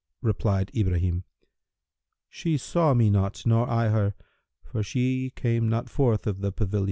Replied Ibrahim, "She saw me not nor I her; for she came not forth of the pavilion."